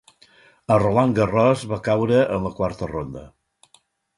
Al Roland Garros va caure en la quarta ronda.